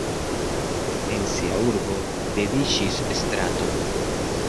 En sia urbo dediĉis straton.